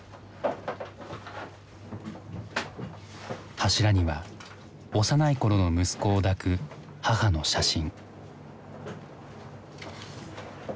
柱には幼い頃の息子を抱く母の写真。